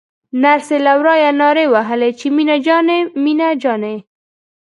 نرسې له ورايه نارې وهلې چې مينه جانې مينه جانې.